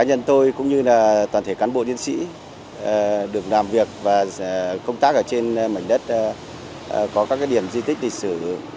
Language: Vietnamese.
nên toàn thể cán bộ điên sĩ được làm việc và công tác ở trên mảnh đất có các điểm di tích lịch sử